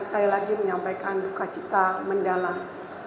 sekali lagi menyampaikan duka cita mendalam